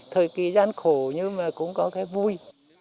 thời kỳ gian khổ nhưng mà cũng có cái vui